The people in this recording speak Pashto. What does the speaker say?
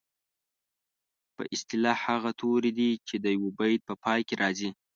په اصطلاح هغه توري دي چې د یوه بیت په پای کې راځي.